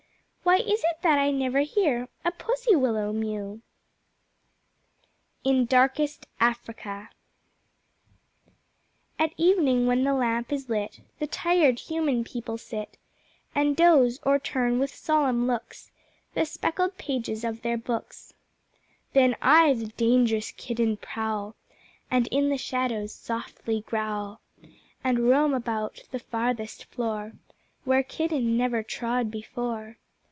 Why is it that I never hear A Pussy willow mew? In Darkest Africa At evening when the lamp is lit, The tired Human People sit And doze, or turn with solemn looks The speckled pages of their books. Then I, the Dangerous Kitten, prowl And in the Shadows softly growl, And roam about the farthest floor Where Kitten never trod before.